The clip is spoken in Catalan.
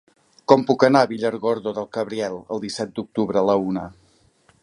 Com puc anar a Villargordo del Cabriel el disset d'octubre a la una?